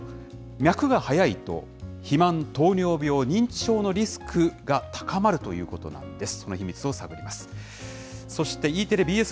脈が速いと、肥満、糖尿病、認知症のリスクが高まるということなんです。